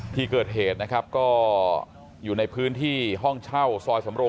ที่เกิดเหตุนะครับก็อยู่ในพื้นที่ห้องเช่าซอยสำโรง